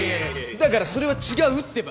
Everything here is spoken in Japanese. だからそれは違うってば。